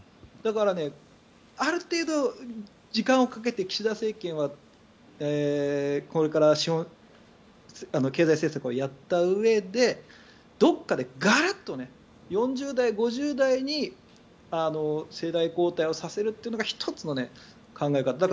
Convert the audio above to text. だから、ある程度時間をかけて岸田政権はこれから経済政策をやったうえでどこかでガラッと４０代、５０代に世代交代をさせるというのが１つの考え方。